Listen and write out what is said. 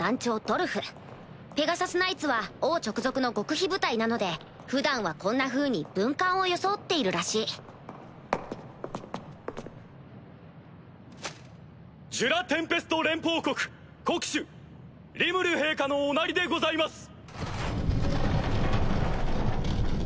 ドルフペガサスナイツは王直属の極秘部隊なので普段はこんなふうに文官を装っているらしいジュラ・テンペスト連邦国国主リムル陛下のおなりでございます！